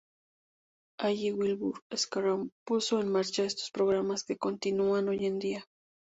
Allí Wilbur Schramm puso en marcha estos programas que continúan hoy en día.